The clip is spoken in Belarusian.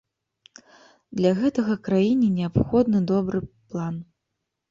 Для гэтага краіне неабходны добры план.